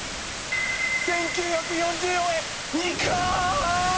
１，９４４円！